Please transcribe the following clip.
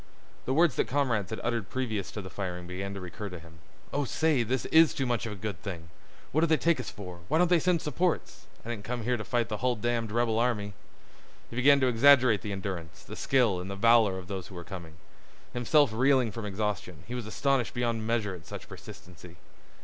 The words that comrades had uttered previous to the firing began to recur to him. "Oh, say, this is too much of a good thing! What do they take us for—why don't they send supports? I didn't come here to fight the hull damned rebel army." He began to exaggerate the endurance, the skill, and the valor of those who were coming. Himself reeling from exhaustion, he was astonished beyond measure at such persistency.